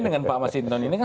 dengan pak masintun ini kan